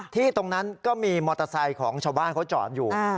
ตรงนั้นก็มีมอเตอร์ไซค์ของชาวบ้านเขาจอดอยู่